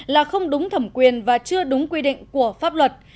là không đúng thẩm quyền và chưa đúng quy định của pháp luật